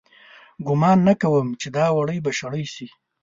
گومان نه کوم چې دا وړۍ به شړۍ سي